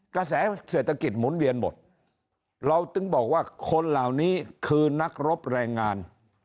กระแสเศรษฐกิจหมุนเวียนหมดเราถึงบอกว่าคนเหล่านี้คือนักรบแรงงาน